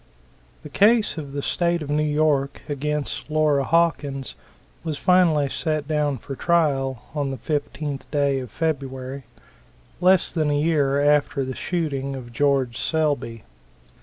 The case of the State of New York against Laura Hawkins was finally set down for trial on the 15th day of February, less than a year after the shooting of George Selby.